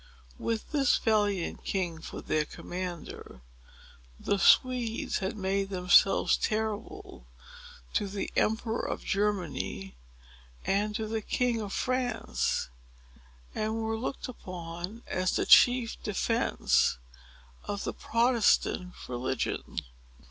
With this valiant king for their commander, the Swedes had made themselves terrible to the Emperor of Germany and to the King of France, and were looked upon as the chief defence of the Protestant religion.